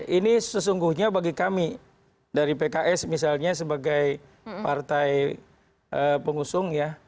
ini sesungguhnya bagi kami dari pks misalnya sebagai partai pengusung ya